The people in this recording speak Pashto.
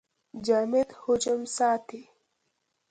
جامد حجم ساتي.